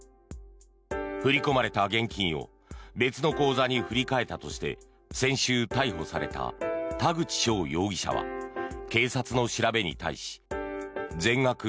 振り込まれた現金を別の口座に振り替えたとして先週、逮捕された田口翔容疑者は警察の調べに対し全額